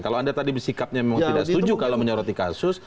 kalau anda tadi sikapnya memang tidak setuju kalau menyoroti kasus